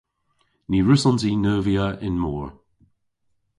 Ny wrussons i neuvya y'n mor.